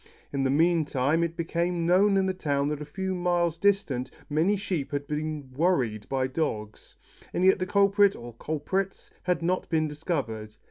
In the mean time it became known in the town that a few miles distant many sheep had been "worried" by dogs, but as yet the culprit or culprits had not been discovered.